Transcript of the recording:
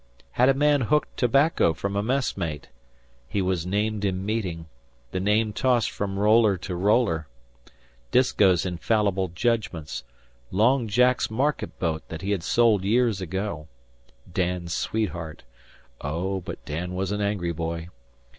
Had a man hooked tobacco from a mess mate? He was named in meeting; the name tossed from roller to roller. Disko's infallible judgments, Long Jack's market boat that he had sold years ago, Dan's sweetheart (oh, but Dan was an angry boy!)